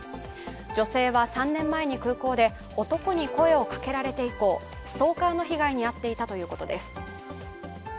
女性は３年前に空港で男に声をかけられて以降、ストーカーの被害に遭っていたということです。